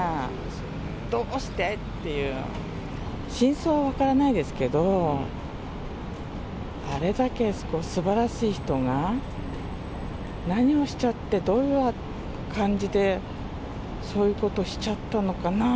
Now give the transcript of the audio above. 真相は分からないですけど、あれだけすばらしい人が、何をしちゃって、どういう感じで、そういうことしちゃったのかな。